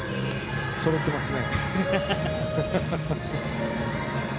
そろっていますね。